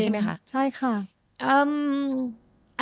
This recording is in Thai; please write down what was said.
ใช่ค่ะ